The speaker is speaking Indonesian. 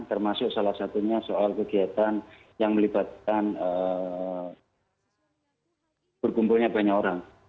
termasuk salah satunya soal kegiatan yang melibatkan berkumpulnya banyak orang